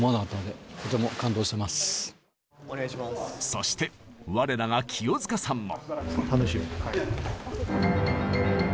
そして我らが清塚さんも。